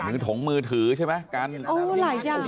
หนึ่งถงมือถือใช่ไหมกันโอ้หลายอย่างค่ะ